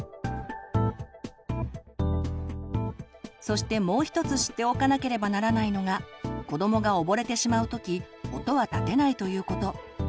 そしてもう一つ知っておかなければならないのが子どもが溺れてしまう時音は立てないということ。